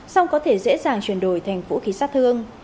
song có thể dễ dàng chuyển đổi thành vũ khí sát thương